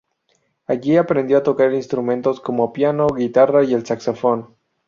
Allí aprendió a tocar instrumentos como piano, guitarra, y el saxofón.